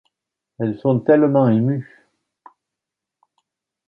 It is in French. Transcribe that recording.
Elles sont tellement émues.